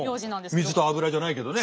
水と油じゃないけどね。